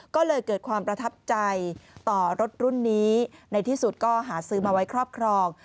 ก็เลยเกิดความประทับใจต่อรถรุ่นนี้ในที่สุดก็หาซื้อมาไว้ครอบครอง